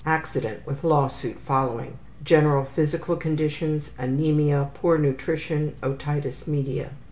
Accident, with law suit following. General physical conditions: Anemia, poor nutrition, otitis media.